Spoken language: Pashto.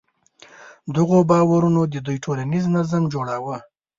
دغو باورونو د دوی ټولنیز نظم جوړاوه.